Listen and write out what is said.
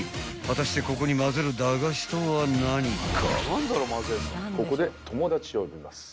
［果たしてここにまぜる駄菓子とは何か？］